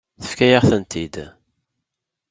Tefka-yaɣ-tent-id.